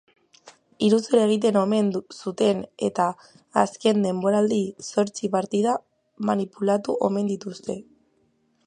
Iruzur egiten omen zuten eta azken denboraldian zortzi partida manipulatu omen dituzte.